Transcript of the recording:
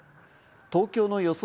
東京の予想